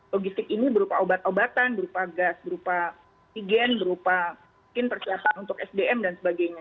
logistik ini berupa obat obatan berupa gas berupa oksigen berupa mungkin persiapan untuk sdm dan sebagainya